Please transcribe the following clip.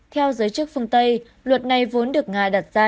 theo giới chức phương tây luật này vốn được nga đặt ra